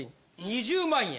２０万円。